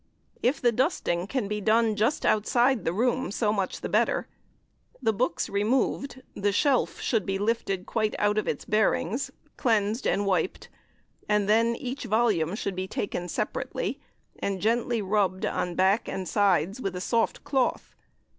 If the dusting can be done just outside the room so much the better. The books removed, the shelf should be lifted quite out of its bearings, cleansed and wiped, and then each volume should be taken separately, and gently rubbed on back and sides with a soft cloth.